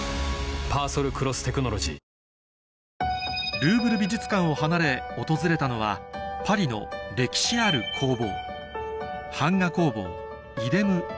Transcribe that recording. ルーヴル美術館を離れ訪れたのはパリの歴史ある工房